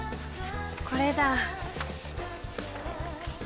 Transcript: これだ。